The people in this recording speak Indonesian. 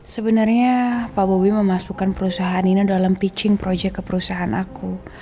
sebenarnya pak bobi memasukkan perusahaan ini dalam pitching project ke perusahaan aku